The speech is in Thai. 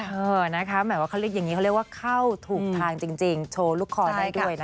อย่างนี้เขาเรียกว่าเข้าถูกทางจริงโชว์ลูกคอได้ด้วยนะ